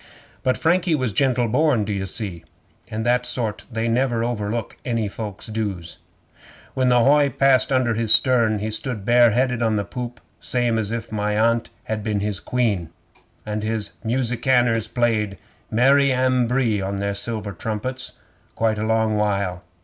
'But Frankie was gentle born, d'ye see, and that sort they never overlook any folks' dues. 'When the hoy passed under his stern, he stood bare headed on the poop same as if my Aunt had been his Queen, and his musicianers played "Mary Ambree" on their silver trumpets quite a long while.